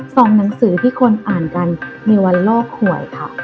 หนังสือที่คนอ่านกันในวันโลกหวยค่ะ